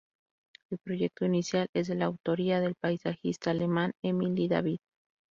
El proyecto inicial es de la autoría del paisajista alemán Émile David.